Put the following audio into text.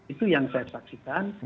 itu yang saya saksikan